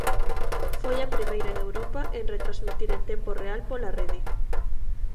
Foi a primeira en Europa en retransmitir en tempo real pola Rede.